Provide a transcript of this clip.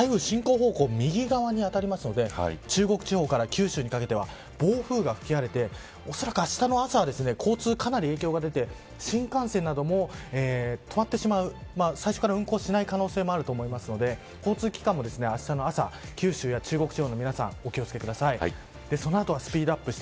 九州、上陸はないんですが大型台風で、しかも台風は進行方向右側に当たりますので中国地方から九州にかけては暴風が吹き荒れておそらく、あしたの朝は交通機関にかなり影響が出て新幹線なども止まってしまう最初から運行しない可能性もあると思うので交通機関もあしたの朝九州や四国地方の皆さんお気を付けください。